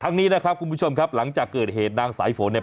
นี้นะครับคุณผู้ชมครับหลังจากเกิดเหตุนางสายฝนเนี่ย